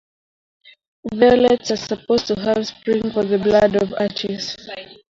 Violets are supposed to have sprung from the blood of Attis.